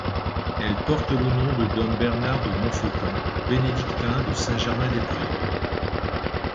Elle porte le nom de dom Bernard de Montfaucon, bénédictin de Saint-Germain-des-Prés.